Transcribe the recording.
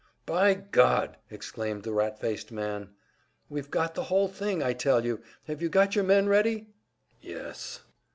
"By God!" exclaimed the rat faced man. "We've got the whole thing, I tell you! Have you got your men ready?" "Yes."